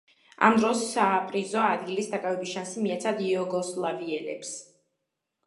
ამ დროს საპრიზო ადგილის დაკავების შანსი მიეცათ იუგოსლავიელებს.